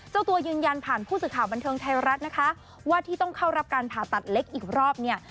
เจ้าตัวยืนยันผ่านผู้สื่อข่าวบันเทิงไทยรัฐนะคะว่าที่ต้องเข้ารับการผ่าตัดเล็กอีกรอบเนี่ย